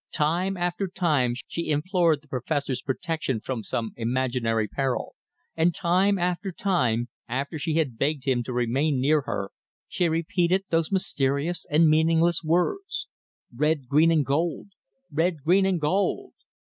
Time after time, she implored the Professor's protection from some imaginary peril, and time after time, after she had begged him to remain near her, she repeated those mysterious and meaningless words: "Red, green and gold! red, green and gold!"